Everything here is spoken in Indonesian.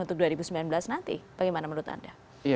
untuk dua ribu sembilan belas nanti bagaimana menurut anda